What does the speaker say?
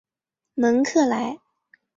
蒙克莱。